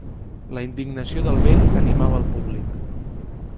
La indignació del vell animava el públic.